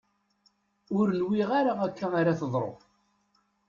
Ur nwiɣ ara akka ara teḍru.